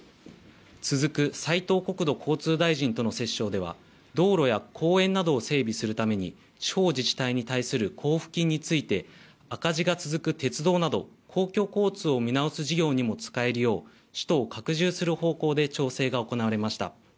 続く斉藤国土交通大臣との折衝では道路や公園などを整備するために地方自治体に対する交付金について赤字が続く鉄道など公共交通を見直す事業にも使えるよう使途を拡充する方向で調整が行われました。